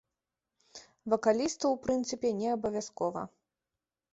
Вакалісту, у прынцыпе, неабавязкова.